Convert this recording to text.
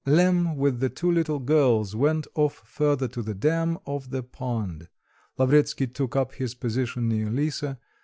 Lemm with the two little girls went off further to the dam of the pond; Lavretsky took up his position near Lisa.